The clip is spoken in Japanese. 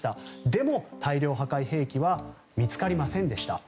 でも、大量破壊兵器は見つかりませんでした。